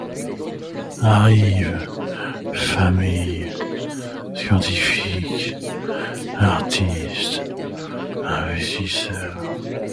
Arrivent familles, scientifiques, artistes et investisseurs.